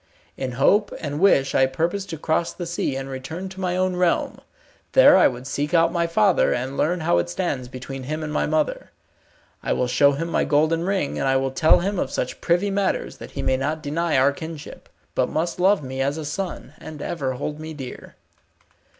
In hope and wish I purpose to cross the sea, and return to my own realm. There I would seek out my father, and learn how it stands between him and my mother. I will show him my golden ring, and I will tell him of such privy matters that he may not deny our kinship, but must love me as a son, and ever hold me dear."